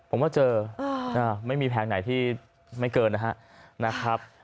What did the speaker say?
ผมว่าเจอไม่มีแผงไหนที่ไม่เกินนะครับ